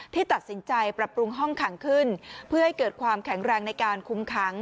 ที่ตัดสินใจปรับปรุงห้องขังขึ้นเพื่อให้เกิดความแข็งแรงในการคุมขัง